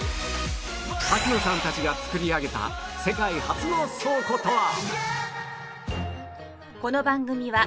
滝野さんたちが作り上げた世界初の倉庫とは？